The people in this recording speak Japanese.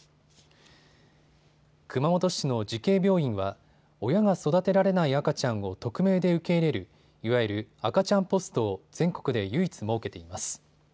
熊本市の慈恵病院は親が育てられない赤ちゃんを匿名で受け入れるいわゆる赤ちゃんポストを全国で唯一設けています。